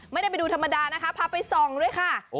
ไม่ได้ไปดูธรรมดานะคะพาไปส่องด้วยค่ะ